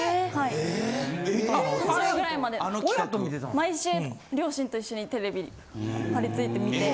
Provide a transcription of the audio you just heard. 毎週両親と一緒にテレビ張り付いて観て。